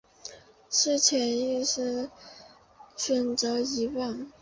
是潜意识选择遗忘